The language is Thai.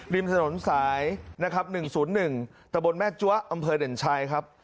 ริมสนสาย๑๐๑ตะบนแม่จ๊วะอำเภอเด่นชัยครับ